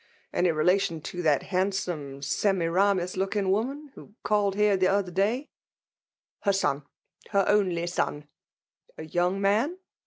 — Any relation to that handsome Semiramis looking woman who called here the other day 7^ " Her son, — ^her only son." " A young man